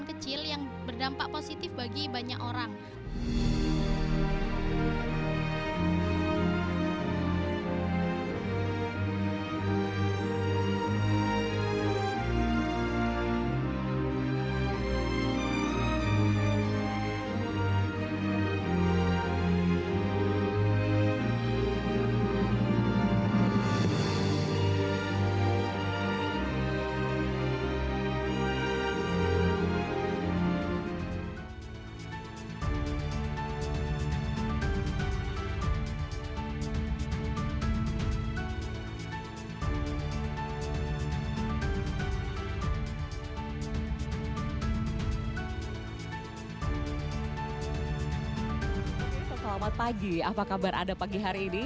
selamat pagi apa kabar ada pagi hari ini